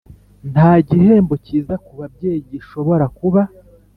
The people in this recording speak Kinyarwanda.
nta gihembo cyiza kubabyeyi gishobora kuba.